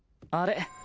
あれ？